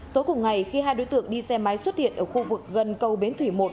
tối cùng ngày khi hai đối tượng đi xe máy xuất hiện ở khu vực gần cầu bến thủy một